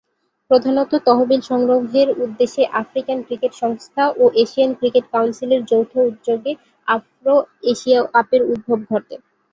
প্রধানতঃ তহবিল সংগ্রহের উদ্দেশ্যে আফ্রিকান ক্রিকেট সংস্থা ও এশিয়ান ক্রিকেট কাউন্সিলের যৌথ উদ্যোগে আফ্রো-এশিয়া কাপের উদ্ভব ঘটে।